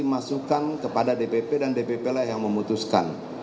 masukan kepada dpp dan dpp lah yang memutuskan